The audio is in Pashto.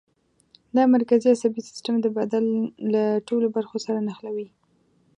دا مرکزي عصبي سیستم د بدن له ټولو برخو سره نښلوي.